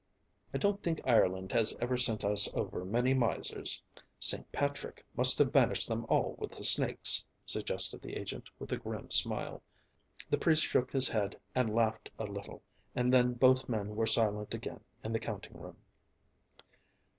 "I don't think Ireland has ever sent us over many misers; Saint Patrick must have banished them all with the snakes," suggested the agent with a grim smile. The priest shook his head and laughed a little and then both men were silent again in the counting room.